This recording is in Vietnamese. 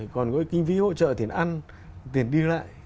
còn có kinh phí hỗ trợ tiền ăn tiền đi lại